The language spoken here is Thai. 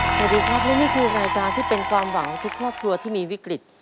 สวัสดีครับและนี่คือรายการที่เป็นความหวังของทุกครอบครัวที่มีวิกฤต